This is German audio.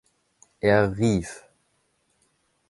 Er rief.